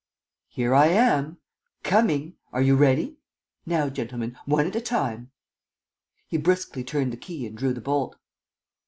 "Here I am! Coming! Are you ready? Now, gentlemen, one at a time! ..." He briskly turned the key and drew the bolt.